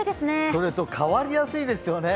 それと変わりやすいですよね。